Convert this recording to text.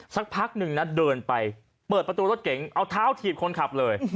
สักพักหนึ่งนะเดินไปเปิดประตูรถเก๋งเอาเท้าถีบคนขับเลย